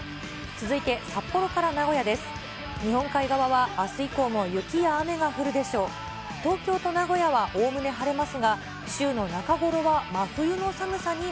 続いて札幌から名古屋です。